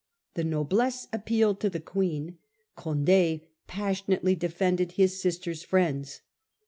The noblesse appealed to the Queen ; Conde passionately defended his sister's friends.